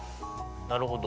なるほど。